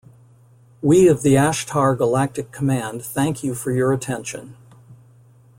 We of the Ashtar Galactic Command thank you for your attention.